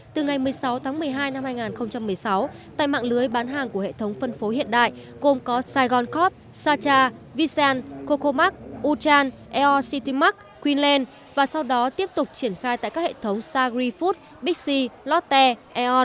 từ ngày một mươi sáu tháng một mươi hai năm hai nghìn một mươi sáu tại mạng lưới bán hàng của hệ thống phân phố hiện đại gồm có saigon cop satcha visan coco mac uchan eo city mac queenland và sau đó tiếp tục triển khai tại các hệ thống sagri food bixi lotte eon